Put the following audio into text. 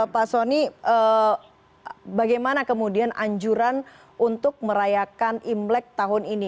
pak soni bagaimana kemudian anjuran untuk merayakan imlek tahun ini